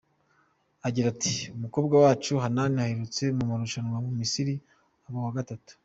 Agira ati “Umukobwa wacu Hanani aherutse mu marushanwa mu Misiri aba uwa gatatu.